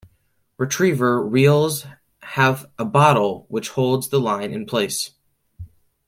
Retriever reels have a "bottle" which holds the line in place.